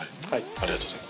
ありがとうございます